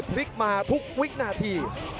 พลิกมาทุกวินาที